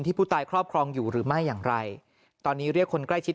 ผู้ตายครอบครองอยู่หรือไม่อย่างไรตอนนี้เรียกคนใกล้ชิด